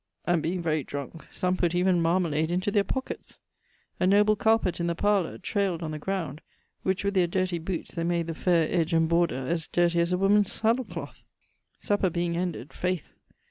And being very drunke, some putt even marmalade into their pocketts. A noble carpet in the parlour trayled on the ground, which with their dirty bootes they made the faire edge and bordure as dirty as a woman's saddlecloth. Supper being ended, faith!